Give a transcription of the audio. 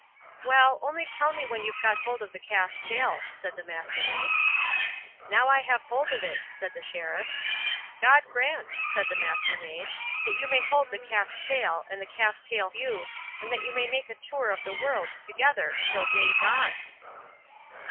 "Well, only tell me when you've got hold of the calf's tail", said the Mastermaid. "Now I have hold of it", said the Sheriff. "God grant", said the Mastermaid, "that you may hold the calf's tail, and the calf's tail you, and that you may make a tour of the world together till day dawns".